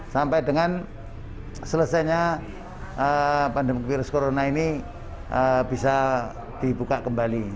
sampai dengan selesainya pandemi virus corona ini bisa dibuka kembali